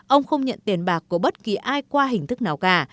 ông không nhận tiền bạc của bất kỳ ai qua hình thức nào cả